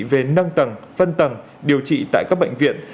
về nâng tầng phân tầng điều trị tại các bệnh viện